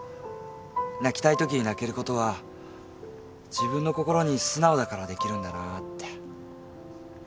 泣きたいときに泣けることは自分の心に素直だからできるんだなって。